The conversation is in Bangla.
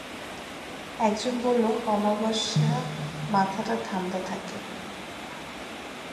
একজন বলল, অমাবস্যামাথাটা ঠাণ্ডা থাকে।